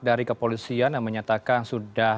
dari kepolisian yang menyatakan sudah